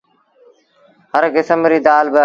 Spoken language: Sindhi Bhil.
هر ڪسم ريٚ دآل با اهي۔